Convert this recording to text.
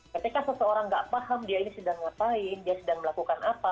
ketika seseorang tidak paham dia ini sedang melakukan apa